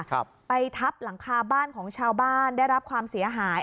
ครับไปทับหลังคาบ้านของชาวบ้านได้รับความเสียหาย